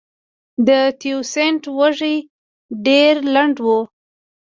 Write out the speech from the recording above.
د تیوسینټ وږی ډېر لنډ و